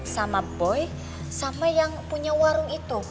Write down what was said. gak tau deh siapa yang punya warung itu